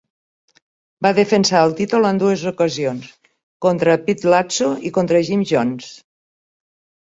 Va defensar el títol en dues ocasions, contra Pete Latzo i contra Jimmy Jones.